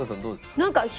どうですか？